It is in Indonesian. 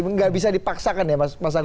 tidak bisa dipaksakan ya mas agus